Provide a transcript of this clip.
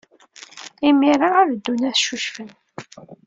Imir-a ad ddun ad ccucfen.